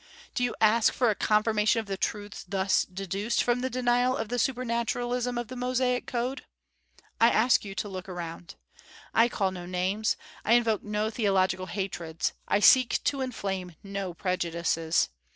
Do you ask for a confirmation of the truths thus deduced from the denial of the supernaturalism of the Mosaic Code? I ask you to look around. I call no names; I invoke no theological hatreds; I seek to inflame no prejudices.